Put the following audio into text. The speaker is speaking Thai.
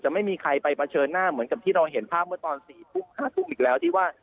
ไม่มีใครไปเผชิญหน้าเหมือนกับที่เราเห็นภาพเมื่อตอน๔ทุ่ม๕ทุ่มอีกแล้วที่ว่า